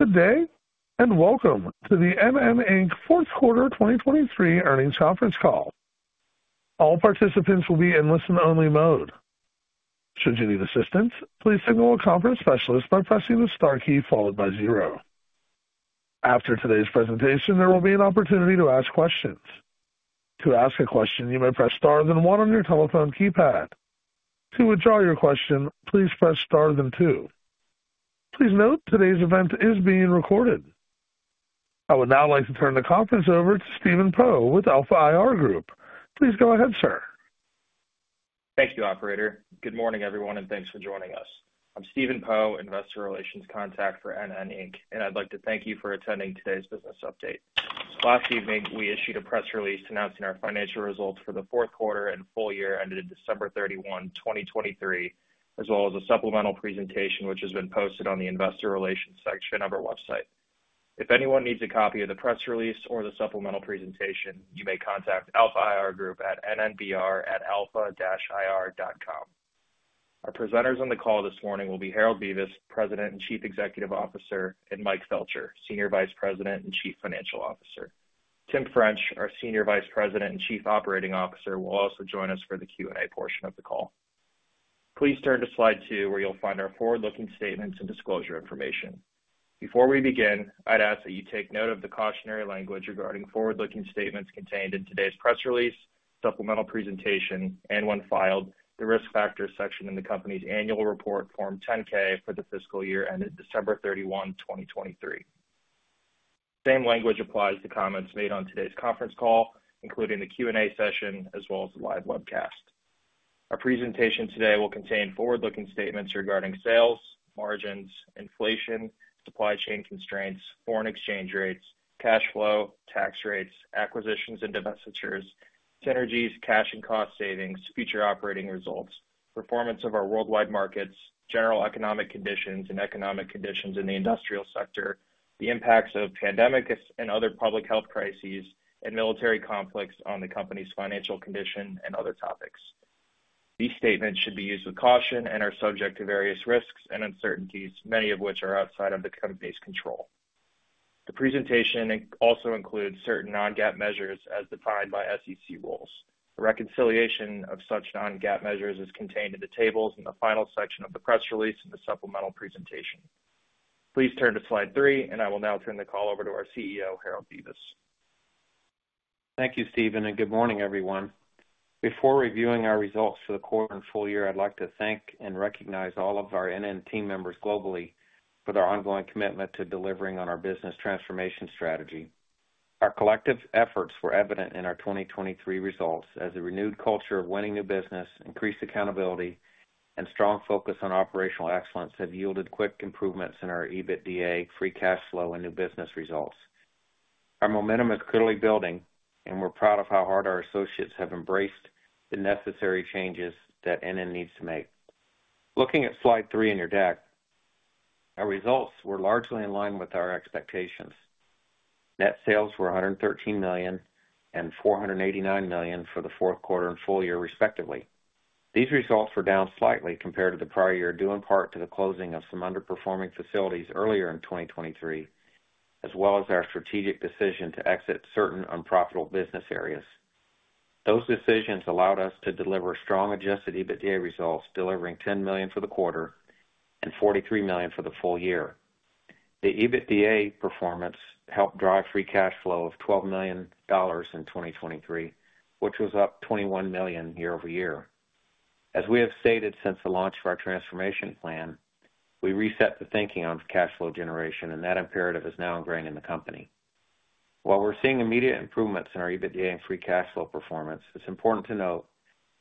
Good day and welcome to the NN, Inc. Fourth Quarter 2023 earnings conference call. All participants will be in listen-only mode. Should you need assistance, please signal a conference specialist by pressing the star key followed by zero. After today's presentation, there will be an opportunity to ask questions. To ask a question, you may press star then one on your telephone keypad. To withdraw your question, please press star then two. Please note today's event is being recorded. I would now like to turn the conference over to Stephen Poe with Alpha IR Group. Please go ahead, sir. Thank you, operator. Good morning, everyone, and thanks for joining us. I'm Stephen Poe, investor relations contact for NN, Inc., and I'd like to thank you for attending today's business update. This last evening, we issued a press release announcing our financial results for the fourth quarter and full year ended December 31, 2023, as well as a supplemental presentation which has been posted on the investor relations section of our website. If anyone needs a copy of the press release or the supplemental presentation, you may contact Alpha IR Group at nnbr@alpha-ir.com. Our presenters on the call this morning will be Harold Bevis, President and Chief Executive Officer, and Mike Felcher, Senior Vice President and Chief Financial Officer. Tim French, our Senior Vice President and Chief Operating Officer, will also join us for the Q&A portion of the call. Please turn to slide two where you'll find our forward-looking statements and disclosure information. Before we begin, I'd ask that you take note of the cautionary language regarding forward-looking statements contained in today's press release, supplemental presentation, and, when filed, the risk factors section in the company's annual report, Form 10-K, for the fiscal year ended December 31, 2023. Same language applies to comments made on today's conference call, including the Q&A session as well as the live webcast. Our presentation today will contain forward-looking statements regarding sales, margins, inflation, supply chain constraints, foreign exchange rates, cash flow, tax rates, acquisitions and dispositions, synergies, cash and cost savings, future operating results, performance of our worldwide markets, general economic conditions and economic conditions in the industrial sector, the impacts of pandemics and other public health crises, and military conflicts on the company's financial condition and other topics. These statements should be used with caution and are subject to various risks and uncertainties, many of which are outside of the company's control. The presentation also includes certain non-GAAP measures as defined by SEC rules. The reconciliation of such non-GAAP measures is contained in the tables in the final section of the press release and the supplemental presentation. Please turn to slide three, and I will now turn the call over to our CEO, Harold Bevis. Thank you, Stephen, and good morning, everyone. Before reviewing our results for the quarter and full year, I'd like to thank and recognize all of our NN team members globally for their ongoing commitment to delivering on our business transformation strategy. Our collective efforts were evident in our 2023 results as a renewed culture of winning new business, increased accountability, and strong focus on operational excellence have yielded quick improvements in our EBITDA, free cash flow, and new business results. Our momentum is clearly building, and we're proud of how hard our associates have embraced the necessary changes that NN needs to make. Looking at slide 3 in your deck, our results were largely in line with our expectations. Net sales were $113 million and $489 million for the fourth quarter and full year, respectively. These results were down slightly compared to the prior year, due in part to the closing of some underperforming facilities earlier in 2023, as well as our strategic decision to exit certain unprofitable business areas. Those decisions allowed us to deliver strong adjusted EBITDA results, delivering $10 million for the quarter and $43 million for the full year. The EBITDA performance helped drive free cash flow of $12 million in 2023, which was up $21 million year-over-year. As we have stated since the launch of our transformation plan, we reset the thinking on cash flow generation, and that imperative is now ingrained in the company. While we're seeing immediate improvements in our EBITDA and free cash flow performance, it's important to note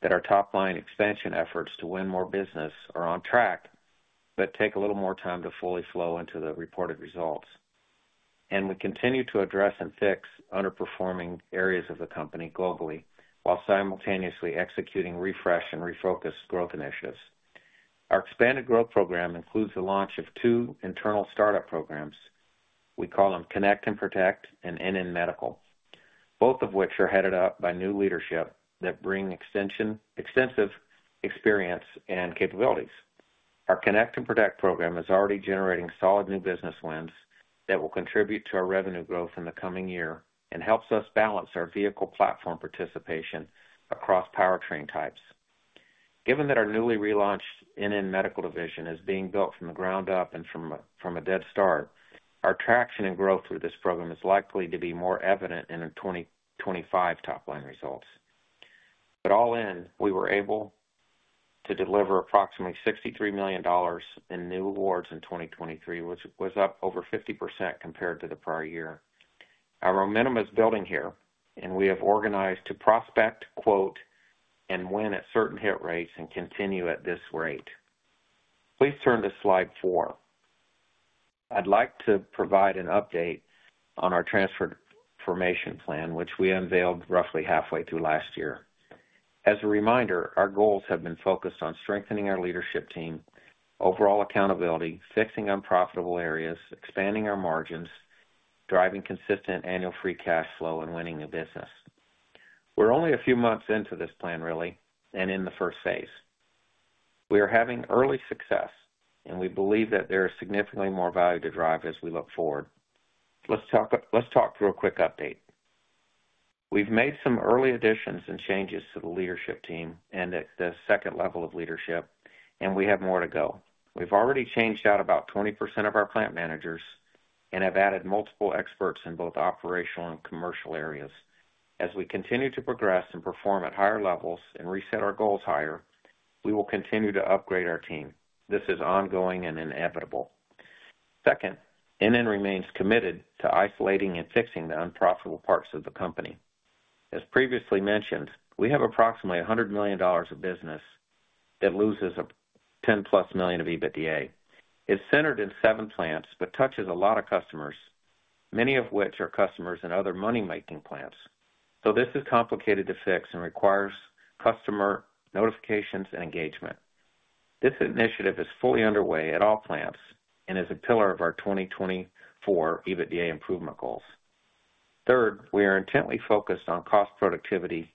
that our top-line expansion efforts to win more business are on track but take a little more time to fully flow into the reported results. We continue to address and fix underperforming areas of the company globally while simultaneously executing refresh and refocused growth initiatives. Our expanded growth program includes the launch of two internal startup programs. We call them Connect and Protect and NN Medical, both of which are headed up by new leadership that bring extensive experience and capabilities. Our Connect and Protect program is already generating solid new business wins that will contribute to our revenue growth in the coming year and helps us balance our vehicle platform participation across powertrain types. Given that our newly relaunched NN Medical division is being built from the ground up and from a dead start, our traction and growth through this program is likely to be more evident in the 2025 top-line results. But all in, we were able to deliver approximately $63 million in new awards in 2023, which was up over 50% compared to the prior year. Our momentum is building here, and we have organized to prospect, quote, and win at certain hit rates and continue at this rate. Please turn to slide four. I'd like to provide an update on our transformation plan, which we unveiled roughly halfway through last year. As a reminder, our goals have been focused on strengthening our leadership team, overall accountability, fixing unprofitable areas, expanding our margins, driving consistent annual free cash flow, and winning new business. We're only a few months into this plan, really, and in the first phase. We are having early success, and we believe that there is significantly more value to drive as we look forward. Let's talk through a quick update. We've made some early additions and changes to the leadership team and the second level of leadership, and we have more to go. We've already changed out about 20% of our plant managers and have added multiple experts in both operational and commercial areas. As we continue to progress and perform at higher levels and reset our goals higher, we will continue to upgrade our team. This is ongoing and inevitable. Second, NN remains committed to isolating and fixing the unprofitable parts of the company. As previously mentioned, we have approximately $100 million of business that loses +$10 million of EBITDA. It's centered in seven plants but touches a lot of customers, many of which are customers in other money-making plants. So this is complicated to fix and requires customer notifications and engagement. This initiative is fully underway at all plants and is a pillar of our 2024 EBITDA improvement goals. Third, we are intently focused on cost productivity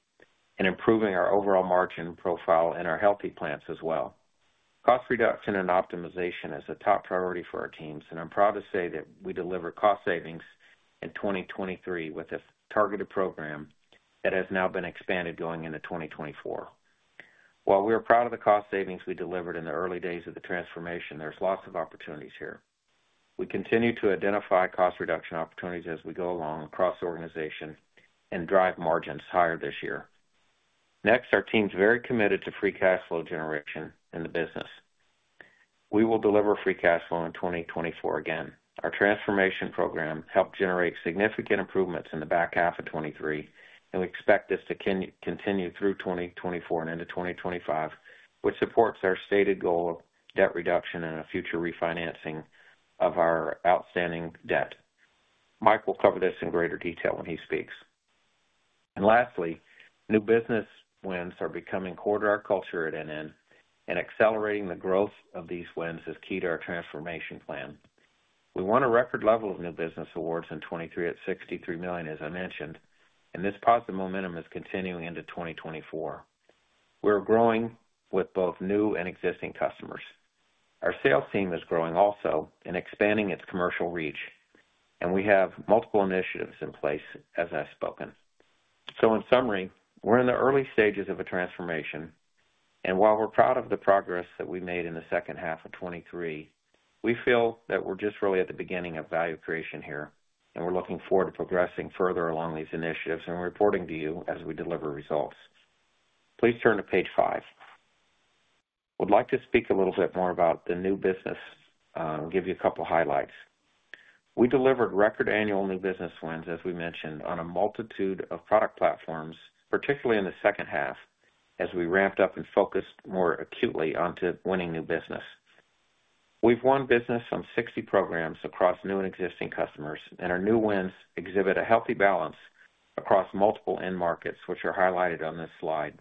and improving our overall margin profile in our healthy plants as well. Cost reduction and optimization is a top priority for our teams, and I'm proud to say that we delivered cost savings in 2023 with a targeted program that has now been expanded going into 2024. While we are proud of the cost savings we delivered in the early days of the transformation, there's lots of opportunities here. We continue to identify cost reduction opportunities as we go along across the organization and drive margins higher this year. Next, our team's very committed to free cash flow generation in the business. We will deliver free cash flow in 2024 again. Our transformation program helped generate significant improvements in the back half of 2023, and we expect this to continue through 2024 and into 2025, which supports our stated goal of debt reduction and a future refinancing of our outstanding debt. Mike will cover this in greater detail when he speaks. Lastly, new business wins are becoming core to our culture at NN, and accelerating the growth of these wins is key to our transformation plan. We won a record level of new business awards in 2023 at $63 million, as I mentioned, and this positive momentum is continuing into 2024. We're growing with both new and existing customers. Our sales team is growing also and expanding its commercial reach, and we have multiple initiatives in place, as I've spoken. So in summary, we're in the early stages of a transformation, and while we're proud of the progress that we made in the second half of 2023, we feel that we're just really at the beginning of value creation here, and we're looking forward to progressing further along these initiatives and reporting to you as we deliver results. Please turn to page five. I would like to speak a little bit more about the new business and give you a couple of highlights. We delivered record annual new business wins, as we mentioned, on a multitude of product platforms, particularly in the second half, as we ramped up and focused more acutely onto winning new business. We've won business from 60 programs across new and existing customers, and our new wins exhibit a healthy balance across multiple end markets, which are highlighted on this slide.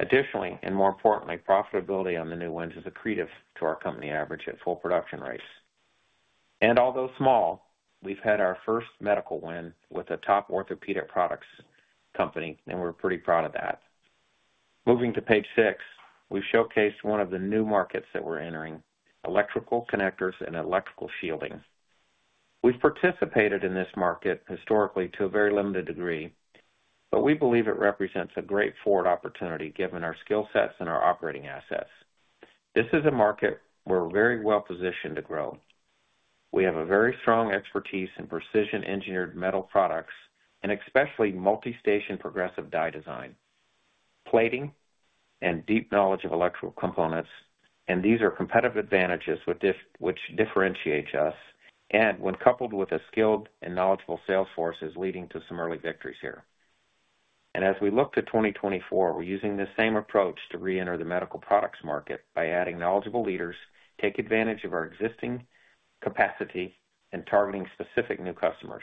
Additionally, and more importantly, profitability on the new wins is accretive to our company average at full production rates. Although small, we've had our first medical win with a top orthopedic products company, and we're pretty proud of that. Moving to page six, we've showcased one of the new markets that we're entering: electrical connectors and electrical shielding. We've participated in this market historically to a very limited degree, but we believe it represents a great forward opportunity given our skill sets and our operating assets. This is a market where we're very well positioned to grow. We have a very strong expertise in precision-engineered metal products and especially multi-station progressive die design, plating, and deep knowledge of electrical components, and these are competitive advantages which differentiate us and, when coupled with a skilled and knowledgeable sales force, is leading to some early victories here. As we look to 2024, we're using the same approach to reenter the medical products market by adding knowledgeable leaders, taking advantage of our existing capacity, and targeting specific new customers.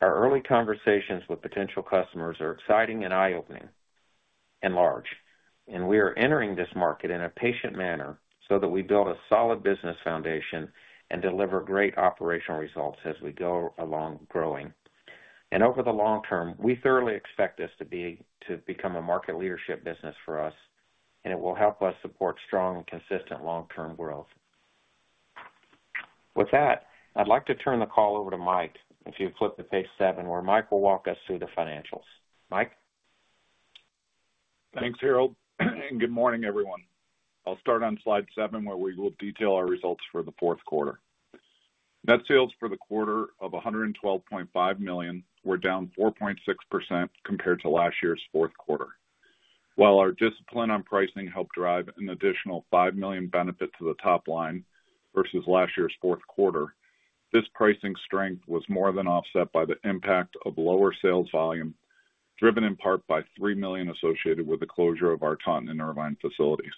Our early conversations with potential customers are exciting and eye-opening and large, and we are entering this market in a patient manner so that we build a solid business foundation and deliver great operational results as we go along growing. Over the long term, we thoroughly expect this to become a market leadership business for us, and it will help us support strong and consistent long-term growth. With that, I'd like to turn the call over to Mike if you flip to page seven, where Mike will walk us through the financials. Mike? Thanks, Harold, and good morning, everyone. I'll start on slide seven where we will detail our results for the fourth quarter. Net sales for the quarter of $112.5 million. We're down 4.6% compared to last year's fourth quarter. While our discipline on pricing helped drive an additional $5 million benefit to the top line versus last year's fourth quarter, this pricing strength was more than offset by the impact of lower sales volume driven in part by $3 million associated with the closure of our Taunton and Irvine facilities.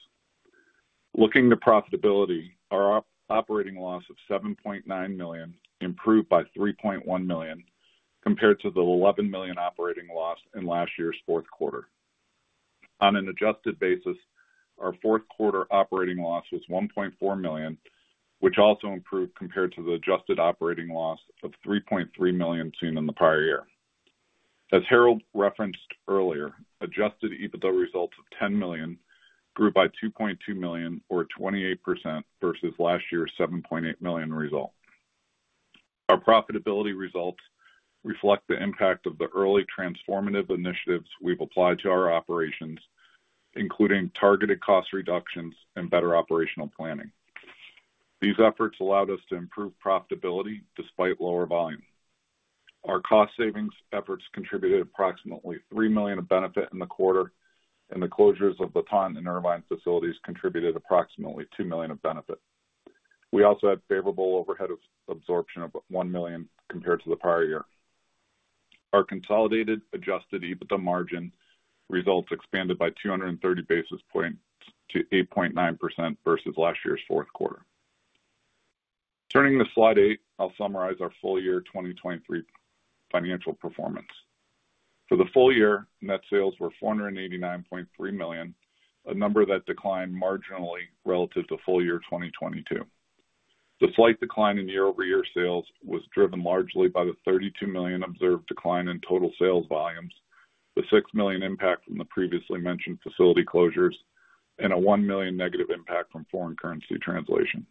Looking to profitability, our operating loss of $7.9 million improved by $3.1 million compared to the $11 million operating loss in last year's fourth quarter. On an adjusted basis, our fourth quarter operating loss was $1.4 million, which also improved compared to the adjusted operating loss of $3.3 million seen in the prior year. As Harold referenced earlier, adjusted EBITDA results of $10 million grew by $2.2 million, or 28%, versus last year's $7.8 million result. Our profitability results reflect the impact of the early transformative initiatives we've applied to our operations, including targeted cost reductions and better operational planning. These efforts allowed us to improve profitability despite lower volume. Our cost savings efforts contributed approximately $3 million of benefit in the quarter, and the closures of the Taunton and Irvine facilities contributed approximately $2 million of benefit. We also had favorable overhead absorption of $1 million compared to the prior year. Our consolidated adjusted EBITDA margin results expanded by 230 basis points to 8.9% versus last year's fourth quarter. Turning to slide eight, I'll summarize our FY 2023 financial performance. For the full year, net sales were $489.3 million, a number that declined marginally relative to FY 2022. The slight decline in year-over-year sales was driven largely by the $32 million observed decline in total sales volumes, the $6 million impact from the previously mentioned facility closures, and a $1 million negative impact from foreign currency translation.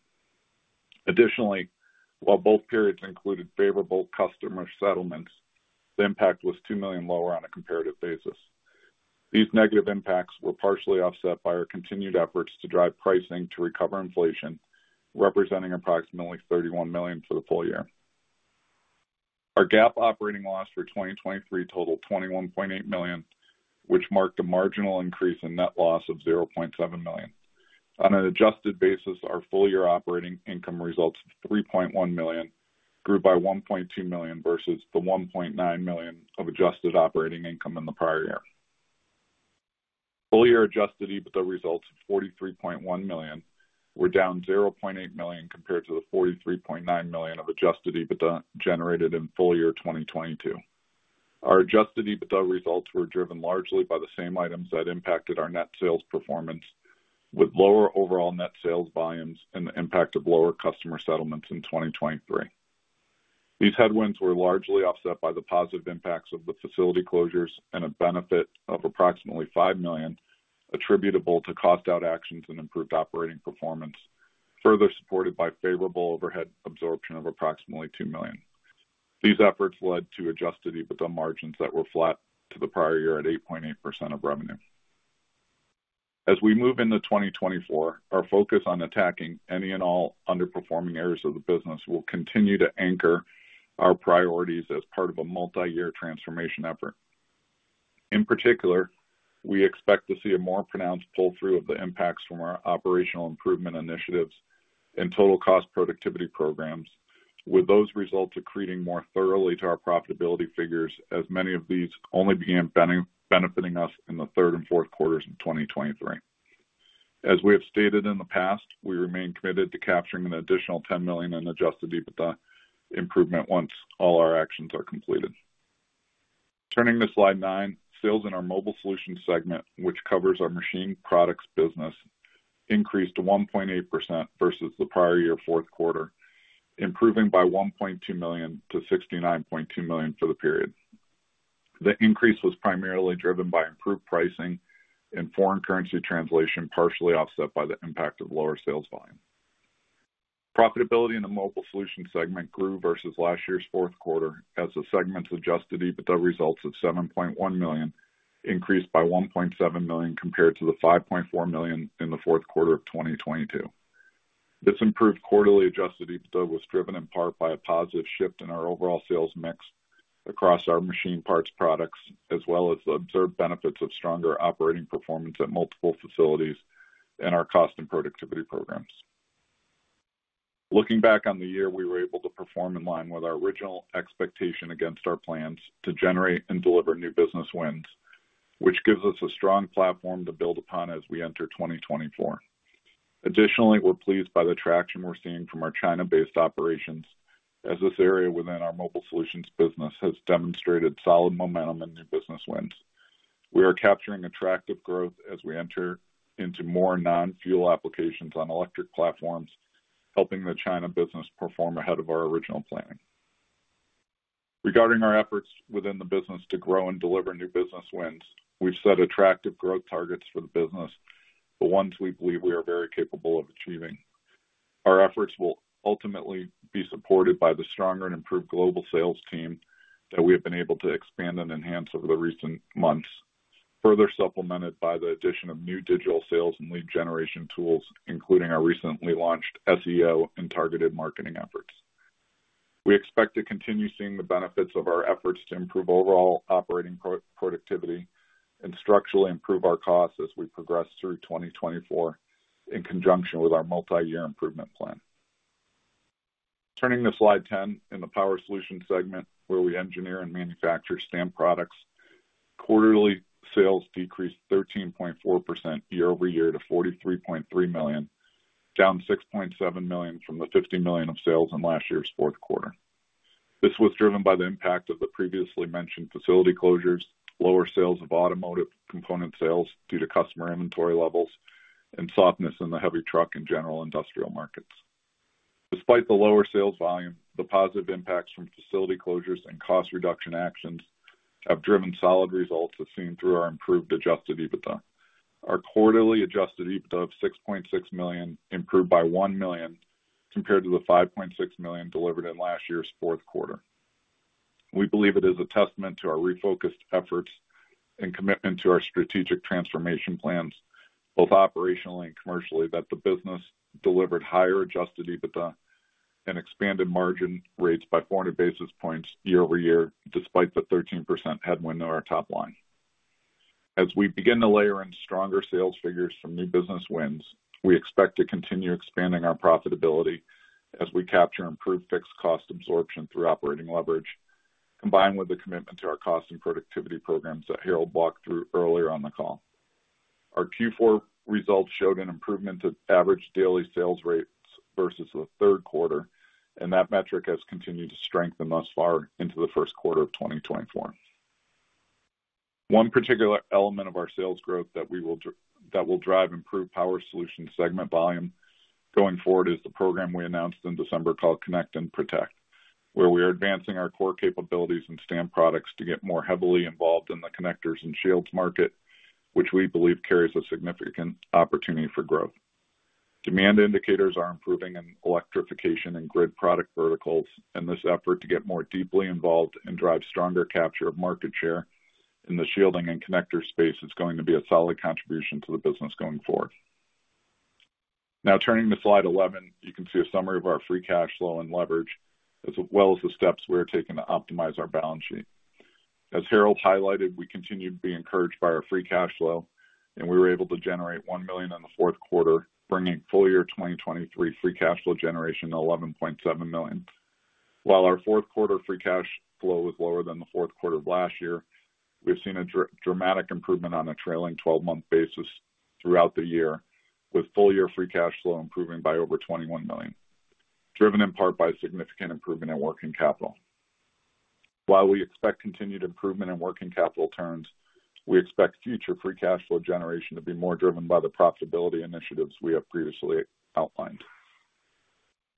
Additionally, while both periods included favorable customer settlements, the impact was $2 million lower on a comparative basis. These negative impacts were partially offset by our continued efforts to drive pricing to recover inflation, representing approximately $31 million for the full year. Our GAAP operating loss for 2023 totaled $21.8 million, which marked a marginal increase in net loss of $0.7 million. On an adjusted basis, our full year operating income results of $3.1 million grew by $1.2 million versus the $1.9 million of adjusted operating income in the prior year. Full year adjusted EBITDA results of $43.1 million were down $0.8 million compared to the $43.9 million of adjusted EBITDA generated in FY 2022. Our adjusted EBITDA results were driven largely by the same items that impacted our net sales performance, with lower overall net sales volumes and the impact of lower customer settlements in 2023. These headwinds were largely offset by the positive impacts of the facility closures and a benefit of approximately $5 million attributable to cost-out actions and improved operating performance, further supported by favorable overhead absorption of approximately $2 million. These efforts led to adjusted EBITDA margins that were flat to the prior year at 8.8% of revenue. As we move into 2024, our focus on attacking any and all underperforming areas of the business will continue to anchor our priorities as part of a multi-year transformation effort. In particular, we expect to see a more pronounced pull-through of the impacts from our operational improvement initiatives and total cost productivity programs, with those results accreting more thoroughly to our profitability figures as many of these only began benefiting us in the third and fourth quarters of 2023. As we have stated in the past, we remain committed to capturing an additional $10 million in adjusted EBITDA improvement once all our actions are completed. Turning to slide nine, sales in our Mobile Solutions segment, which covers our machine products business, increased 1.8% versus the prior year fourth quarter, improving by $1.2 million-$69.2 million for the period. The increase was primarily driven by improved pricing and foreign currency translation, partially offset by the impact of lower sales volume. Profitability in the Mobile Solutions segment grew versus last year's fourth quarter as the segment's adjusted EBITDA results of $7.1 million increased by $1.7 million compared to the $5.4 million in the fourth quarter of 2022. This improved quarterly adjusted EBITDA was driven in part by a positive shift in our overall sales mix across our machine parts products, as well as the observed benefits of stronger operating performance at multiple facilities and our cost and productivity programs. Looking back on the year, we were able to perform in line with our original expectation against our plans to generate and deliver new business wins, which gives us a strong platform to build upon as we enter 2024. Additionally, we're pleased by the traction we're seeing from our China-based operations, as this area within our Mobile Solutions business has demonstrated solid momentum and new business wins. We are capturing attractive growth as we enter into more non-fuel applications on electric platforms, helping the China business perform ahead of our original planning. Regarding our efforts within the business to grow and deliver new business wins, we've set attractive growth targets for the business, the ones we believe we are very capable of achieving. Our efforts will ultimately be supported by the stronger and improved global sales team that we have been able to expand and enhance over the recent months, further supplemented by the addition of new digital sales and lead generation tools, including our recently launched SEO and targeted marketing efforts. We expect to continue seeing the benefits of our efforts to improve overall operating productivity and structurally improve our costs as we progress through 2024 in conjunction with our multi-year improvement plan. Turning to slide 10, in the Power Solutions segment, where we engineer and manufacture stamped products, quarterly sales decreased 13.4% year-over-year to $43.3 million, down $6.7 million from the $50 million of sales in last year's fourth quarter. This was driven by the impact of the previously mentioned facility closures, lower sales of automotive component sales due to customer inventory levels, and softness in the heavy truck and general industrial markets. Despite the lower sales volume, the positive impacts from facility closures and cost reduction actions have driven solid results as seen through our improved adjusted EBITDA. Our quarterly adjusted EBITDA of $6.6 million improved by $1 million compared to the $5.6 million delivered in last year's fourth quarter. We believe it is a testament to our refocused efforts and commitment to our strategic transformation plans, both operationally and commercially, that the business delivered higher Adjusted EBITDA and expanded margin rates by 400 basis points year-over-year, despite the 13% headwind on our top line. As we begin to layer in stronger sales figures from new business wins, we expect to continue expanding our profitability as we capture improved fixed cost absorption through operating leverage, combined with the commitment to our cost and productivity programs that Harold walked through earlier on the call. Our Q4 results showed an improvement to average daily sales rates versus the third quarter, and that metric has continued to strengthen thus far into the first quarter of 2024. One particular element of our sales growth that will drive improved Power Solutions segment volume going forward is the program we announced in December called Connect and Protect, where we are advancing our core capabilities and stamped products to get more heavily involved in the connectors and shields market, which we believe carries a significant opportunity for growth. Demand indicators are improving in electrification and grid product verticals, and this effort to get more deeply involved and drive stronger capture of market share in the shielding and connector space is going to be a solid contribution to the business going forward. Now, turning to slide 11, you can see a summary of our Free Cash Flow and leverage, as well as the steps we are taking to optimize our balance sheet. As Harold highlighted, we continue to be encouraged by our free cash flow, and we were able to generate $1 million in the fourth quarter, bringing FY 2023 free cash flow generation to $11.7 million. While our fourth quarter free cash flow was lower than the fourth quarter of last year, we've seen a dramatic improvement on a trailing 12-month basis throughout the year, with full year free cash flow improving by over $21 million, driven in part by significant improvement in working capital. While we expect continued improvement in working capital turns, we expect future free cash flow generation to be more driven by the profitability initiatives we have previously outlined.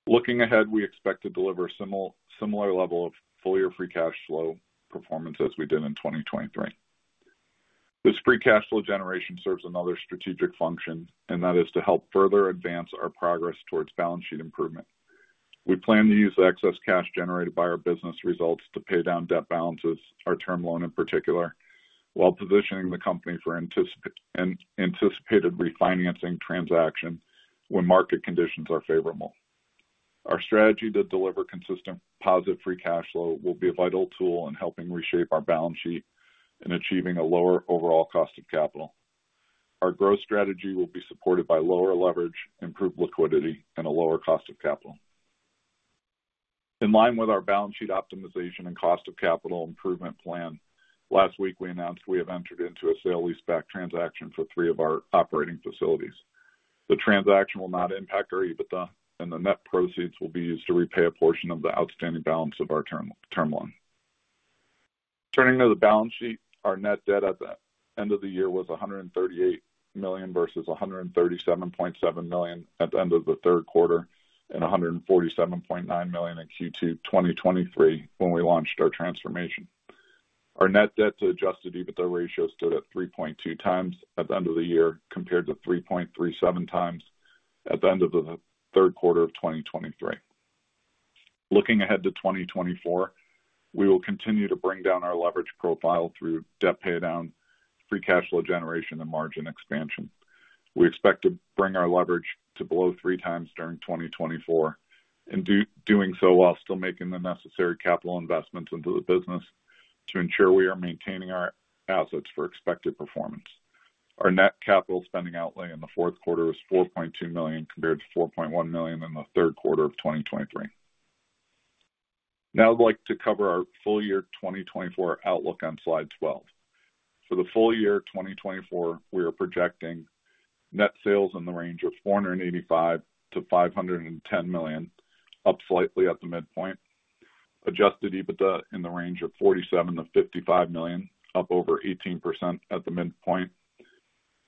Looking ahead, we expect to deliver a similar level of full year free cash flow performance as we did in 2023. This free cash flow generation serves another strategic function, and that is to help further advance our progress towards balance sheet improvement. We plan to use the excess cash generated by our business results to pay down debt balances, our term loan in particular, while positioning the company for anticipated refinancing transaction when market conditions are favorable. Our strategy to deliver consistent positive free cash flow will be a vital tool in helping reshape our balance sheet and achieving a lower overall cost of capital. Our growth strategy will be supported by lower leverage, improved liquidity, and a lower cost of capital. In line with our balance sheet optimization and cost of capital improvement plan, last week we announced we have entered into a sale-leaseback transaction for three of our operating facilities. The transaction will not impact our EBITDA, and the net proceeds will be used to repay a portion of the outstanding balance of our term loan. Turning to the balance sheet, our net debt at the end of the year was $138 million versus $137.7 million at the end of the third quarter and $147.9 million in Q2 2023 when we launched our transformation. Our net debt to adjusted EBITDA ratio stood at 3.2 times at the end of the year compared to 3.37 times at the end of the third quarter of 2023. Looking ahead to 2024, we will continue to bring down our leverage profile through debt paydown, free cash flow generation, and margin expansion. We expect to bring our leverage to below three times during 2024, and doing so while still making the necessary capital investments into the business to ensure we are maintaining our assets for expected performance. Our net capital spending outlay in the fourth quarter was $4.2 million compared to $4.1 million in the third quarter of 2023. Now, I'd like to cover our FY 2024 outlook on slide 12. For the FY 2024, we are projecting net sales in the range of $485 million-$510 million, up slightly at the midpoint. Adjusted EBITDA in the range of $47 million-$55 million, up over 18% at the midpoint.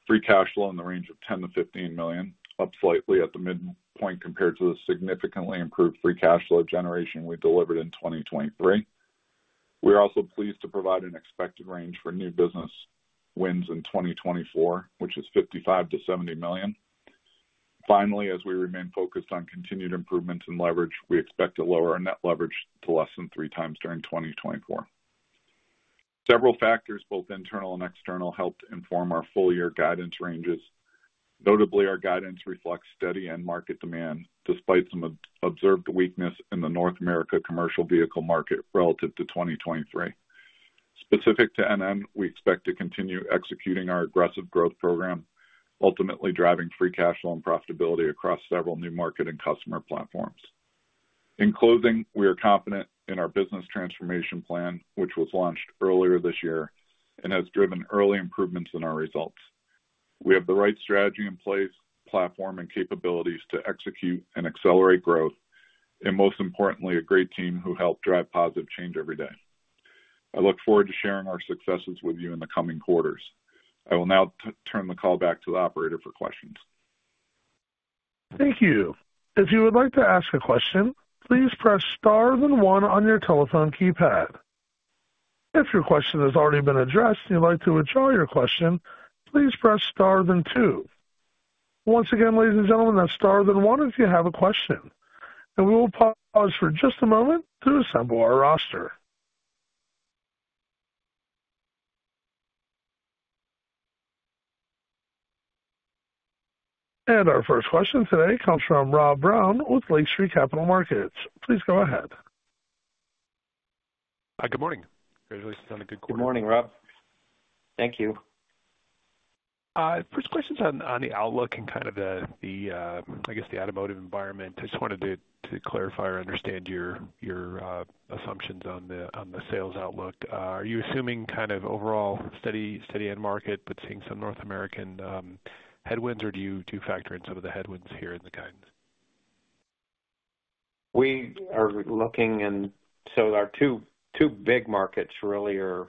Free cash flow in the range of $10 million-$15 million, up slightly at the midpoint compared to the significantly improved free cash flow generation we delivered in 2023. We are also pleased to provide an expected range for new business wins in 2024, which is $55-$70 million. Finally, as we remain focused on continued improvements in leverage, we expect to lower our net leverage to less than 3x during 2024. Several factors, both internal and external, helped inform our full year guidance ranges. Notably, our guidance reflects steady end market demand despite some observed weakness in the North America commercial vehicle market relative to 2023. Specific to NN, we expect to continue executing our aggressive growth program, ultimately driving free cash flow and profitability across several new market and customer platforms. In closing, we are confident in our business transformation plan, which was launched earlier this year and has driven early improvements in our results. We have the right strategy in place, platform, and capabilities to execute and accelerate growth, and most importantly, a great team who help drive positive change every day. I look forward to sharing our successes with you in the coming quarters. I will now turn the call back to the operator for questions. Thank you. If you would like to ask a question, please press star, then one on your telephone keypad. If your question has already been addressed and you'd like to withdraw your question, please press star, then two. Once again, ladies and gentlemen, that's star, then one if you have a question. We will pause for just a moment to assemble our roster. Our first question today comes from Rob Brown with Lake Street Capital Markets. Please go ahead. Hi, good morning. Congratulations on a good question. Good morning, Rob. Thank you. First question's on the outlook and kind of the, I guess, the automotive environment. I just wanted to clarify or understand your assumptions on the sales outlook. Are you assuming kind of overall steady end market but seeing some North American headwinds, or do you factor in some of the headwinds here in the guidance? We are looking in so our two big markets, really, are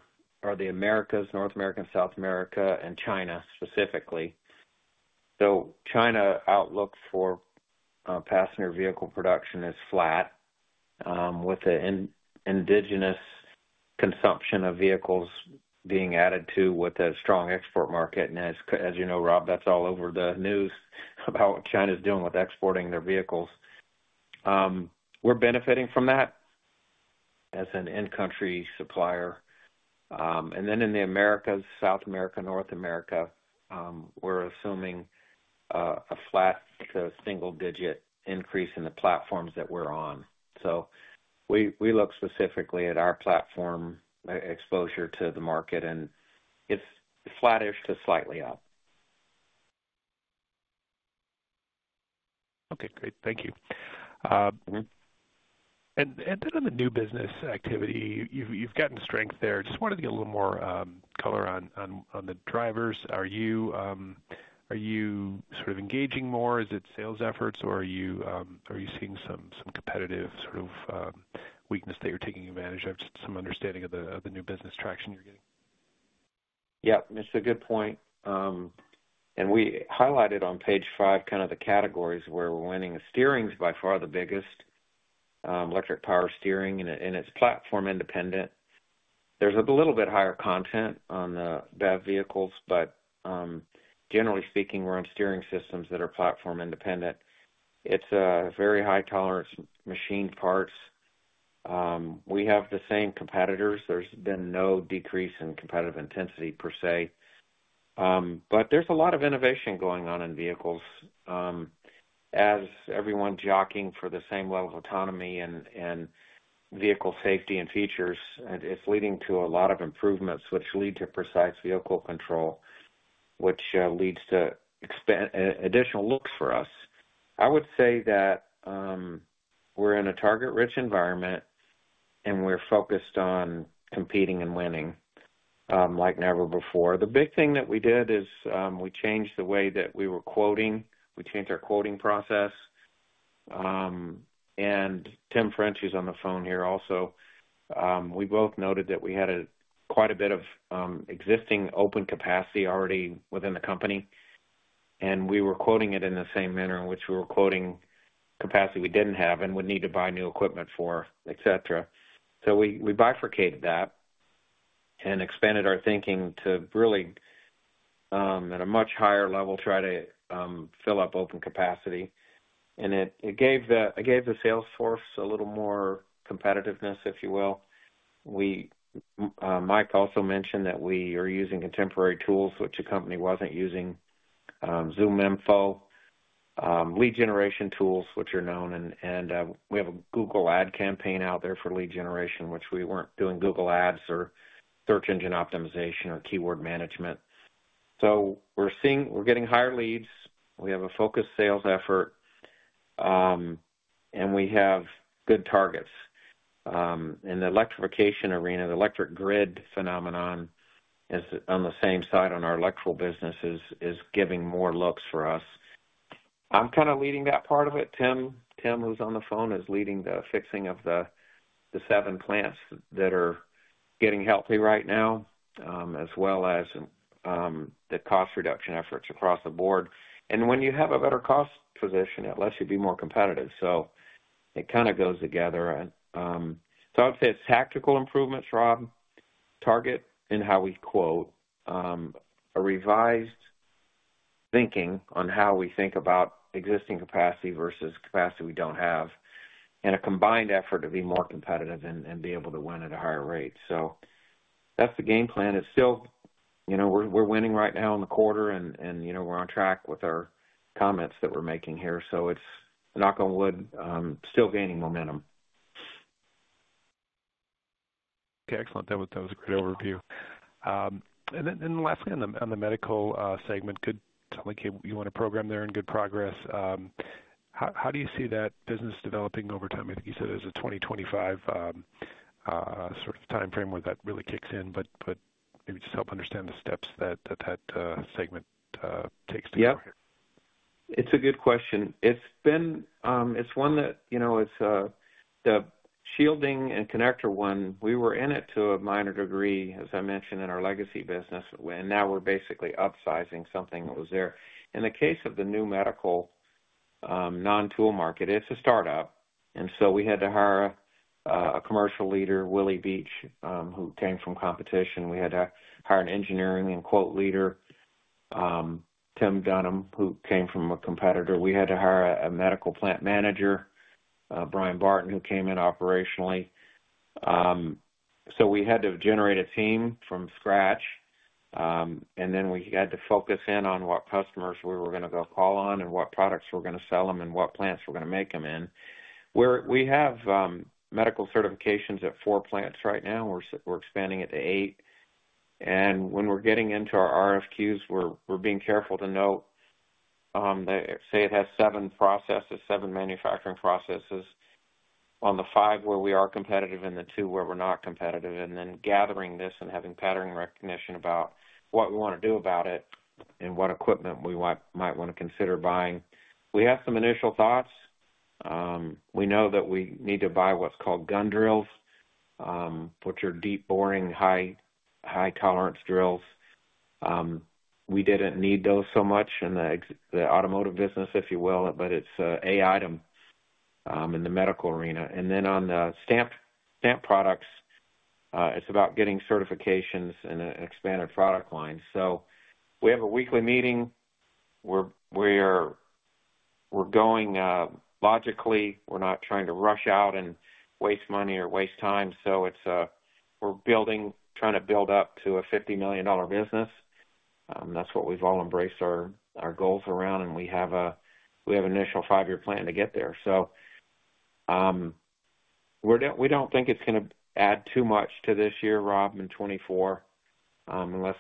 the Americas, North America, and South America, and China specifically. So China outlook for passenger vehicle production is flat, with the indigenous consumption of vehicles being added to with a strong export market. And as you know, Rob, that's all over the news about what China's doing with exporting their vehicles. We're benefiting from that as an in-country supplier. And then in the Americas, South America, North America, we're assuming a flat to single-digit increase in the platforms that we're on. So we look specifically at our platform exposure to the market, and it's flattish to slightly up. Okay. Great. Thank you. And then on the new business activity, you've gotten strength there. Just wanted to get a little more color on the drivers. Are you sort of engaging more? Is it sales efforts, or are you seeing some competitive sort of weakness that you're taking advantage of? Just some understanding of the new business traction you're getting. Yep. It's a good point. We highlighted on page five kind of the categories where we're winning. Steering's by far the biggest, electric power steering, and it's platform-independent. There's a little bit higher content on the BEV vehicles, but generally speaking, we're on steering systems that are platform-independent. It's very high-tolerance machine parts. We have the same competitors. There's been no decrease in competitive intensity per se. There's a lot of innovation going on in vehicles. As everyone's jockeying for the same level of autonomy and vehicle safety and features, it's leading to a lot of improvements, which lead to precise vehicle control, which leads to additional looks for us. I would say that we're in a target-rich environment, and we're focused on competing and winning like never before. The big thing that we did is we changed the way that we were quoting. We changed our quoting process. Tim French, who's on the phone here also, we both noted that we had quite a bit of existing open capacity already within the company, and we were quoting it in the same manner in which we were quoting capacity we didn't have and would need to buy new equipment for, etc. We bifurcated that and expanded our thinking to really, at a much higher level, try to fill up open capacity. It gave the sales force a little more competitiveness, if you will. Mike also mentioned that we are using contemporary tools, which the company wasn't using: ZoomInfo, lead generation tools, which are known. We have a Google Ads campaign out there for lead generation, which we weren't doing Google Ads or search engine optimization or keyword management. So we're getting higher leads. We have a focused sales effort, and we have good targets. In the electrification arena, the electric grid phenomenon is on the same side on our electrical business, is giving more looks for us. I'm kind of leading that part of it. Tim, who's on the phone, is leading the fixing of the seven plants that are getting healthy right now, as well as the cost reduction efforts across the board. And when you have a better cost position, it lets you be more competitive. So it kind of goes together. So I would say it's tactical improvements, Rob, targeting how we quote, a revised thinking on how we think about existing capacity versus capacity we don't have, and a combined effort to be more competitive and be able to win at a higher rate. So that's the game plan. It's still, we're winning right now in the quarter, and we're on track with our comments that we're making here. So it's, knock on wood, still gaining momentum. Okay. Excellent. That was a great overview. Then lastly, on the medical segment, it sounds like you own a program there in good progress. How do you see that business developing over time? I think you said there's a 2025 sort of timeframe where that really kicks in, but maybe just help understand the steps that that segment takes to go here. Yep. It's a good question. It's one that it's the shielding and connector one. We were in it to a minor degree, as I mentioned, in our legacy business, and now we're basically upsizing something that was there. In the case of the new medical non-tool market, it's a startup. And so we had to hire a commercial leader, Willie Beach, who came from competition. We had to hire an engineering and quote leader, Tim Dunham, who came from a competitor. We had to hire a medical plant manager, Brian Barton, who came in operationally. So we had to generate a team from scratch, and then we had to focus in on what customers we were going to go call on and what products we're going to sell them and what plants we're going to make them in. We have medical certifications at four plants right now. We're expanding it to eight. When we're getting into our RFQs, we're being careful to note that, say, it has seven processes, seven manufacturing processes on the five where we are competitive and the two where we're not competitive, and then gathering this and having pattern recognition about what we want to do about it and what equipment we might want to consider buying. We have some initial thoughts. We know that we need to buy what's called gun drills, which are deep boring, high-tolerance drills. We didn't need those so much in the automotive business, if you will, but it's an item in the medical arena. On the stamped products, it's about getting certifications and an expanded product line. We have a weekly meeting. We're going logically. We're not trying to rush out and waste money or waste time. So we're trying to build up to a $50 million business. That's what we've all embraced our goals around, and we have an initial 5-year plan to get there. So we don't think it's going to add too much to this year, Rob, and 2024, unless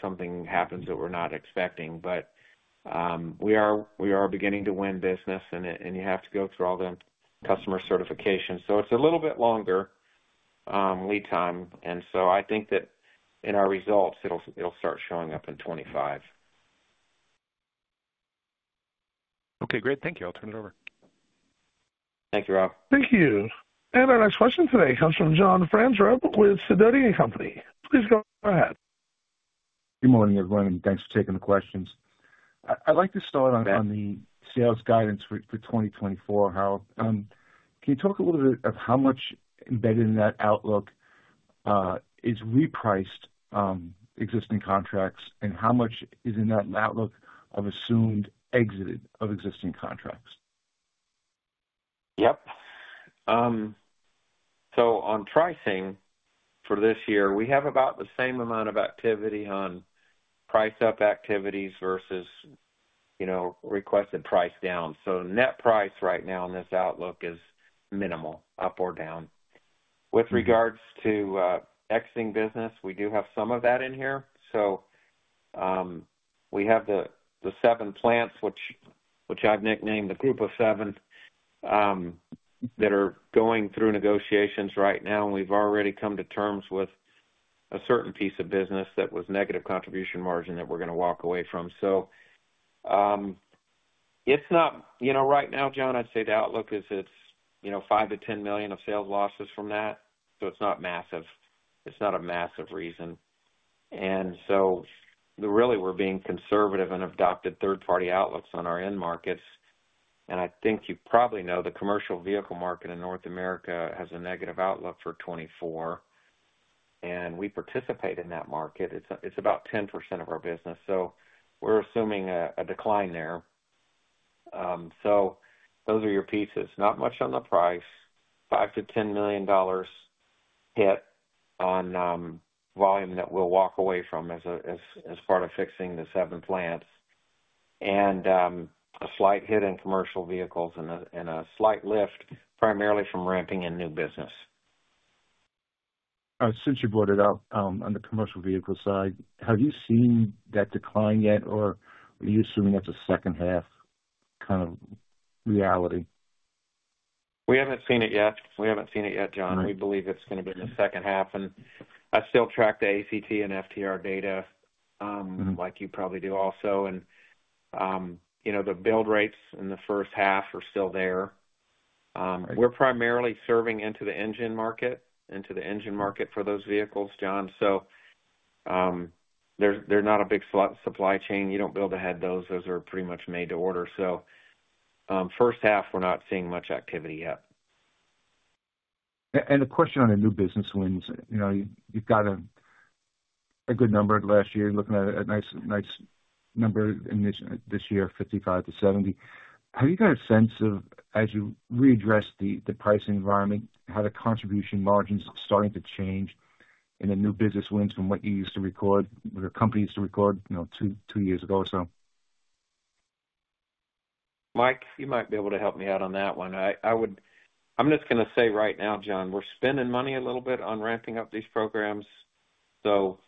something happens that we're not expecting. But we are beginning to win business, and you have to go through all the customer certifications. So it's a little bit longer lead time. And so I think that in our results, it'll start showing up in 2025. Okay. Great. Thank you. I'll turn it over. Thank you, Rob. Thank you. And our next question today comes from John Franzreb with Sidoti & Company. Please go ahead. Good morning, everyone, and thanks for taking the questions. I'd like to start on the sales guidance for 2024, Harold. Can you talk a little bit of how much embedded in that outlook is repriced existing contracts, and how much is in that outlook of assumed exited of existing contracts? Yep. So on pricing for this year, we have about the same amount of activity on price-up activities versus requested price down. So net price right now in this outlook is minimal, up or down. With regards to exiting business, we do have some of that in here. So we have the seven plants, which I've nicknamed the group of seven, that are going through negotiations right now. And we've already come to terms with a certain piece of business that was negative contribution margin that we're going to walk away from. So it's not right now, John, I'd say the outlook is it's $5 million-$10 million of sales losses from that. So it's not massive. It's not a massive reason. And so really, we're being conservative and adopted third-party outlooks on our end markets. I think you probably know the commercial vehicle market in North America has a negative outlook for 2024, and we participate in that market. It's about 10% of our business. So we're assuming a decline there. So those are your pieces. Not much on the price, $5 million-$10 million hit on volume that we'll walk away from as part of fixing the seven plants, and a slight hit in commercial vehicles and a slight lift, primarily from ramping in new business. Since you brought it up on the commercial vehicle side, have you seen that decline yet, or are you assuming that's a second-half kind of reality? We haven't seen it yet. We haven't seen it yet, John. We believe it's going to be in the second half. And I still track the ACT and FTR data like you probably do also. And the build rates in the first half are still there. We're primarily serving into the engine market, into the engine market for those vehicles, John. So they're not a big supply chain. You don't build ahead those. Those are pretty much made-to-order. So first half, we're not seeing much activity yet. A question on the new business wins. You've got a good number last year. You're looking at a nice number this year, 55-70. Have you got a sense of, as you readdress the pricing environment, how the contribution margins are starting to change in the new business wins from what you used to record, what your company used to record two years ago or so? Mike, you might be able to help me out on that one. I'm just going to say right now, John, we're spending money a little bit on ramping up these programs. So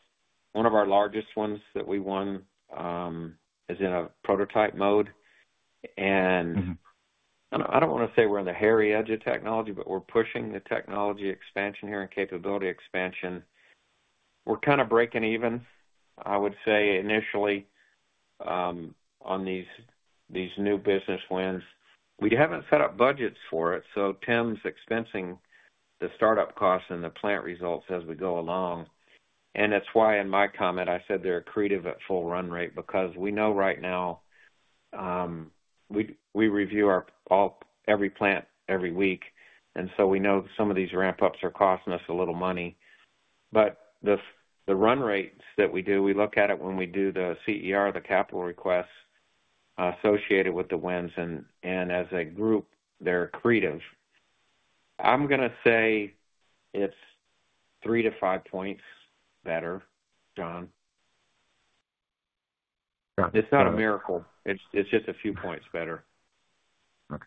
one of our largest ones that we won is in a prototype mode. And I don't want to say we're in the hairy edge of technology, but we're pushing the technology expansion here and capability expansion. We're kind of breaking even, I would say, initially on these new business wins. We haven't set up budgets for it. So Tim's expensing the startup costs and the plant results as we go along. And that's why, in my comment, I said they're creative at full run rate because we know right now we review every plant every week. And so we know some of these ramp-ups are costing us a little money. But the run rates that we do, we look at it when we do the CER, the capital requests associated with the wins. And as a group, they're creative. I'm going to say it's 3-5 points better, John. It's not a miracle. It's just a few points better. Okay.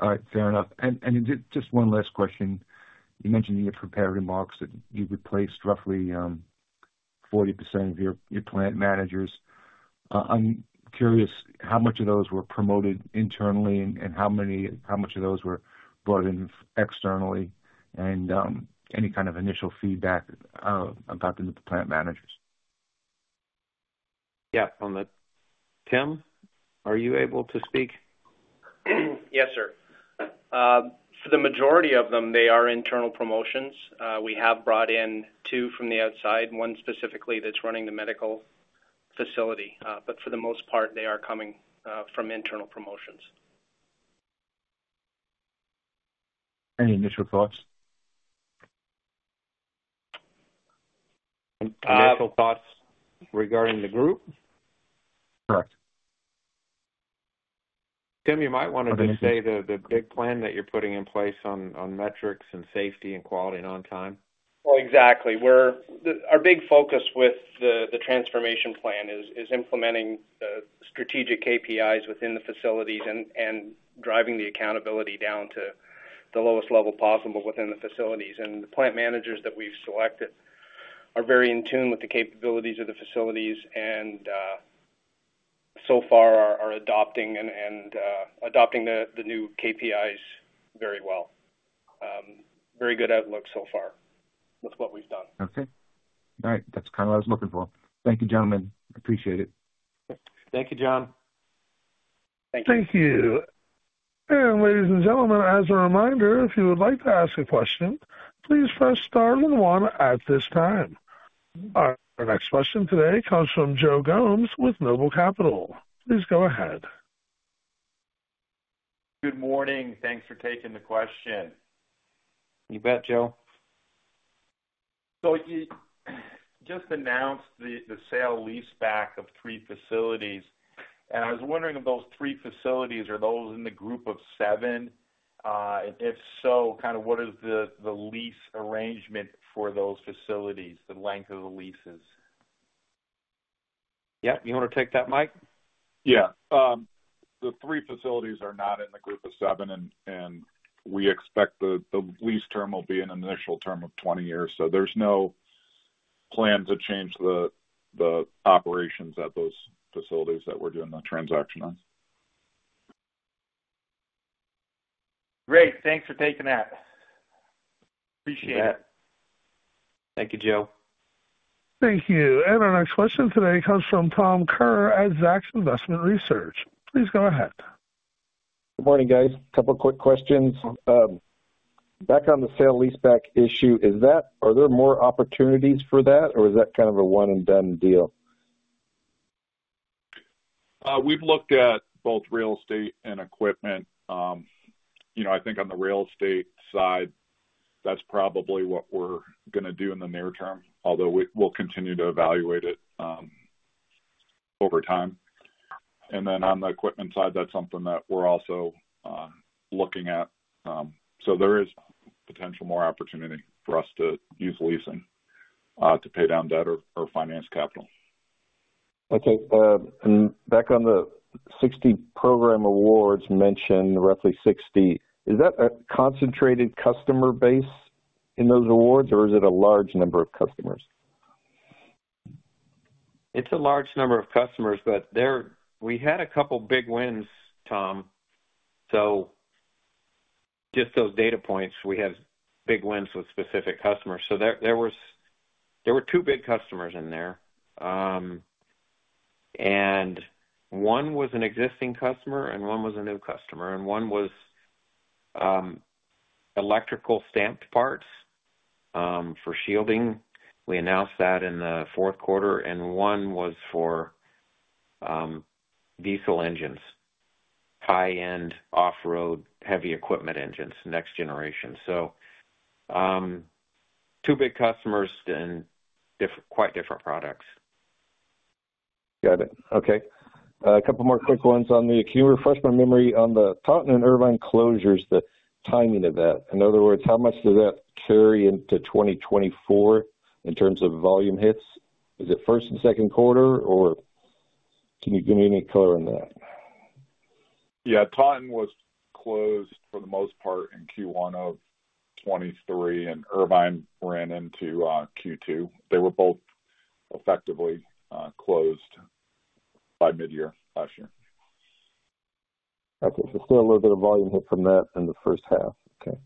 All right. Fair enough. Just one last question. You mentioned in your preparatory box that you replaced roughly 40% of your plant managers. I'm curious how much of those were promoted internally and how much of those were brought in externally and any kind of initial feedback about the new plant managers? Yep. Tim, are you able to speak? Yes, sir. For the majority of them, they are internal promotions. We have brought in two from the outside, one specifically that's running the medical facility. But for the most part, they are coming from internal promotions. Any initial thoughts? Initial thoughts regarding the group? Correct. Tim, you might want to just say the big plan that you're putting in place on metrics and safety and quality and on time. Well, exactly. Our big focus with the transformation plan is implementing the strategic KPIs within the facilities and driving the accountability down to the lowest level possible within the facilities. The plant managers that we've selected are very in tune with the capabilities of the facilities and so far are adopting the new KPIs very well. Very good outlook so far with what we've done. Okay. All right. That's kind of what I was looking for. Thank you, gentlemen. Appreciate it. Thank you, John. Thank you. Thank you. And ladies and gentlemen, as a reminder, if you would like to ask a question, please press star and one at this time. Our next question today comes from Joe Gomes with Noble Capital. Please go ahead. Good morning. Thanks for taking the question. You bet, Joe. You just announced the sale-leaseback of three facilities. I was wondering if those three facilities are those in the group of seven. And if so, kind of what is the lease arrangement for those facilities, the length of the leases? Yep. You want to take that, Mike? Yeah. The three facilities are not in the group of seven, and we expect the lease term will be an initial term of 20 years. So there's no plan to change the operations at those facilities that we're doing the transaction on. Great. Thanks for taking that. Appreciate it. Thank you, Joe. Thank you. Our next question today comes from Tom Kerr at Zacks Investment Research. Please go ahead. Good morning, guys. A couple of quick questions. Back on the sale-leaseback issue, are there more opportunities for that, or is that kind of a one-and-done deal? We've looked at both real estate and equipment. I think on the real estate side, that's probably what we're going to do in the near term, although we'll continue to evaluate it over time. Then on the equipment side, that's something that we're also looking at. There is potential more opportunity for us to use leasing to pay down debt or finance capital. Okay. Back on the 60 program awards mentioned, roughly 60, is that a concentrated customer base in those awards, or is it a large number of customers? It's a large number of customers, but we had a couple of big wins, Tom. So just those data points, we have big wins with specific customers. So there were two big customers in there. And one was an existing customer, and one was a new customer. And one was electrical stamped parts for shielding. We announced that in the fourth quarter. And one was for diesel engines, high-end off-road heavy equipment engines, next generation. So two big wins and quite different products. Got it. Okay. A couple more quick ones on that. Can you refresh my memory on the Taunton and Irvine closures, the timing of that? In other words, how much does that carry into 2024 in terms of volume hits? Is it first and second quarter, or can you give me any color on that? Yeah. Taunton was closed for the most part in Q1 of 2023, and Irvine ran into Q2. They were both effectively closed by midyear last year. Okay. Still a little bit of volume hit from that in the first half. Okay.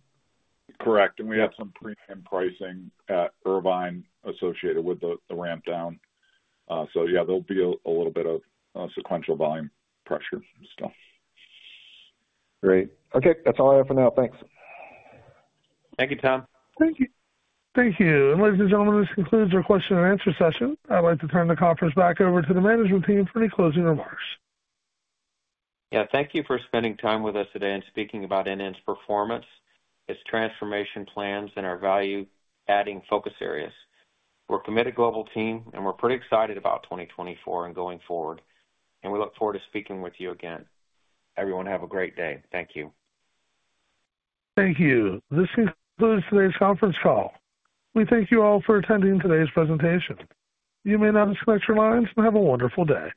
Correct. And we had some premium pricing at Irvine associated with the ramp-down. So yeah, there'll be a little bit of sequential volume pressure still. Great. Okay. That's all I have for now. Thanks. Thank you, Tom. Thank you. Thank you. Ladies and gentlemen, this concludes our question and answer session. I'd like to turn the conference back over to the management team for any closing remarks. Yeah. Thank you for spending time with us today and speaking about NN's performance, its transformation plans, and our value-adding focus areas. We're a committed global team, and we're pretty excited about 2024 and going forward. We look forward to speaking with you again. Everyone, have a great day. Thank you. Thank you. This concludes today's conference call. We thank you all for attending today's presentation. You may now disconnect your lines and have a wonderful day.